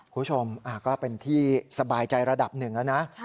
คุณผู้ชมก็เป็นที่สบายใจระดับหนึ่งแล้วนะ